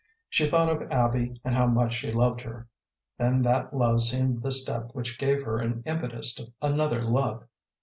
She thought of Abby and how much she loved her; then that love seemed the step which gave her an impetus to another love.